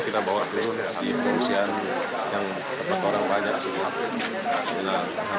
tapi akhirnya mendapatkan nilai hoki yang bapak ida mengusahakan